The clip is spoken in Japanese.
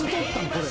これ。